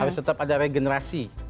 harus tetap ada regenerasi